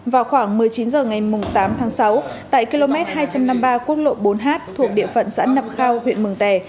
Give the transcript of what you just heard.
vào khoảng một mươi chín h ngày tám tháng sáu tại km hai trăm năm mươi ba quốc lộ bốn h thuộc địa phận xã nậm khao huyện mường tè